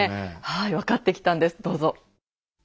はい分かってきたんですどうぞ。